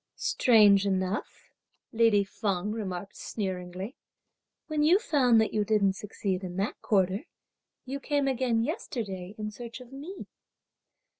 "Strange enough," lady Feng remarked sneeringly, "when you found that you didn't succeed in that quarter, you came again yesterday in search of me!"